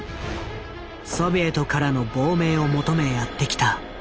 ソビエトからの亡命を求めやって来た。